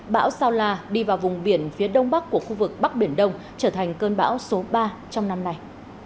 bão sao la đi vào vùng biển phía đông bắc của khu vực bắc biển đông trở thành cơn bão số ba trong năm nay